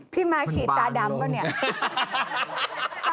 พี่มาฉีดตาดำป่ะเนี่ย